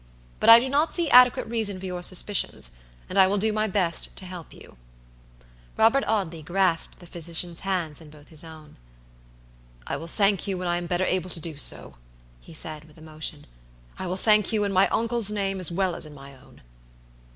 But I do not see adequate reason for your suspicions; and I will do my best to help you." Robert Audley grasped the physician's hands in both his own. "I will thank you when I am better able to do so," he said, with emotion; "I will thank you in my uncle's name as well as in my own."